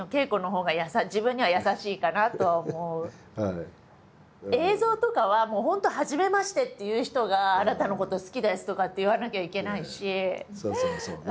だからまあ映像とかはもう本当はじめましてっていう人が「あなたのこと好きです」とかって言わなきゃいけないし。